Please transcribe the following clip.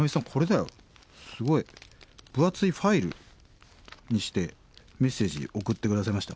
すごい分厚いファイルにしてメッセージ送って下さいました。